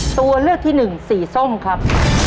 ตัวเลือกที่หนึ่งสีส้มครับ